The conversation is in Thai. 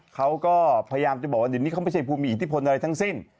เขาก็พยายามจะบอกว่าเดี๋ยวนี้เขาไม่ใช่ผู้มีอิทธิพลอะไรทั้งสิ้น